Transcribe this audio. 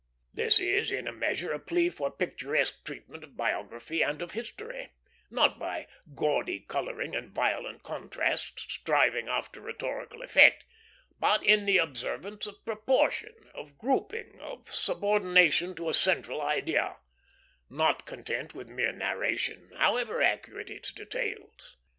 This is, in a measure, a plea for picturesque treatment of biography and of history; not by gaudy coloring and violent contrasts, striving after rhetorical effect, but in the observance of proportion, of grouping, of subordination to a central idea; not content with mere narration, however accurate in details.